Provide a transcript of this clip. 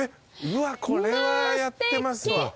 うわっこれはやってますわ。